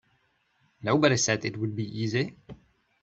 Nobody said it would be easy.